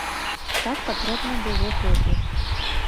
Так патрэбна было богу.